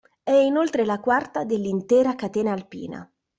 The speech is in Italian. È inoltre la quarta dell'intera catena alpina.